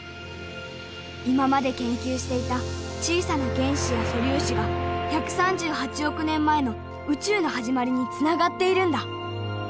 「今まで研究していた小さな原子や素粒子は１３８億年前の宇宙の始まりにつながっているんだ！」。